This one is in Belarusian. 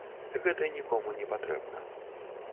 Гэта нікому не патрэбна.